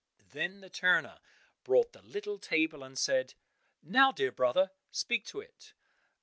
Then the turner brought the little table, and said, "Now dear brother, speak to it."